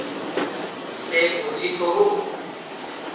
ସେ ବୁଝି କହୁ ।